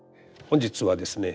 本日はですね